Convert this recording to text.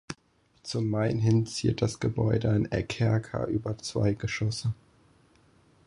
Zum Main hin ziert das Gebäude ein Eckerker über zwei Geschosse.